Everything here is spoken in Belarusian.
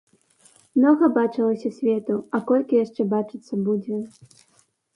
Многа бачылася свету, а колькі яшчэ бачыцца будзе.